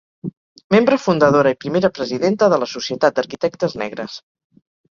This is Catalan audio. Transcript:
Membre fundadora i primera presidenta de la Societat d'Arquitectes Negres.